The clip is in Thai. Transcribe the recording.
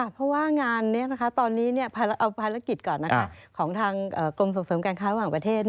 เพราะว่างานนี้ตอนนี้เอาภารกิจก่อนของทางกรมส่งเสริมการค้าระหว่างประเทศ